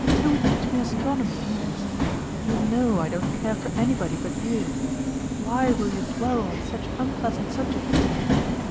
Who would teach me Astronomy and things ? You know I don't care for anybody but you! Why will you dwell on such un pleasant subjects